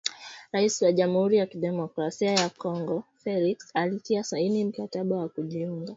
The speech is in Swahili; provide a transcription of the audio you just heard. Rais wa Jamhuri ya Kidemokrasia ya Kongo ,Felix Tchisekedi ,alitia saini mkataba wa kujiunga